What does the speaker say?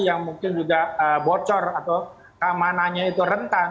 yang mungkin juga bocor atau keamanannya itu rentan